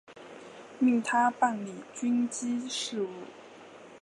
命他办理军机事务。